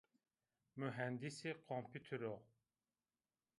Muhendisê komputur o